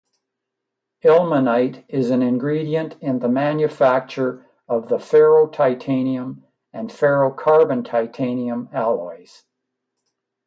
Ilmenite is an ingredient in the manufacture of the ferrotitanium and ferro-carbon-titanium alloys.